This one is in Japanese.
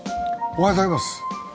おはようございます。